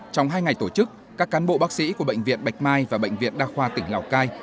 trong hai ngày tổ chức các cán bộ bác sĩ của bệnh viện bạch mai và bệnh viện đa khoa tỉnh lào cai